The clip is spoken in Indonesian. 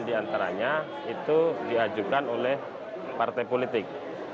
dua puluh delapan diantaranya itu diajukan oleh partai politik